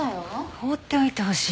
放っておいてほしいわね。